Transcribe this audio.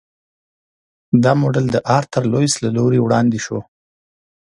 دا موډل د آرتر لویس له لوري وړاندې شو.